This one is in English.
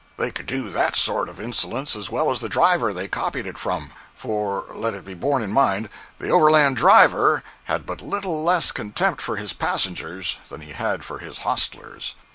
They could do that sort of insolence as well as the driver they copied it from—for, let it be borne in mind, the overland driver had but little less contempt for his passengers than he had for his hostlers.